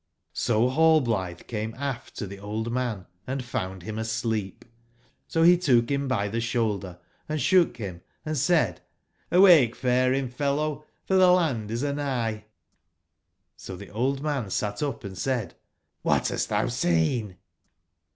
^^^O nallblithe came aft to tbe old man and ^^^ found him asleep; so be took him by the i^^?i shoulder, and shook him and said :Hwake, faring/fellow, for tbe land is a/nigh" j^ So tbe old man sat up and said: ''^hat bast thou seen?"